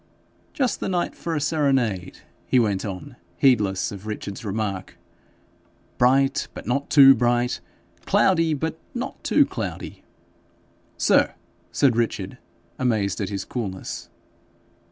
'Just the night for a serenade,' he went on, heedless of Richard's remark, ' bright, but not too bright; cloudy, but not too cloudy.' 'Sir!' said Richard, amazed at his coolness.